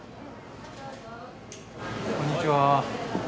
こんにちは。